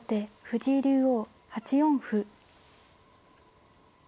藤井竜王８四歩。